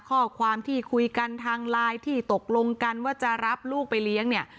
ข้อความที่คุยกันทางไลน์ที่ตกลงกันว่าจะรับลูกไปเลี้ยงเนี่ย